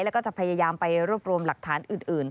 แล้วก็จะพยายามไปรวบรวมหลักฐานอื่น